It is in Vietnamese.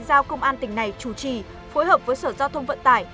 giao công an tỉnh này chủ trì phối hợp với sở giao thông vận tải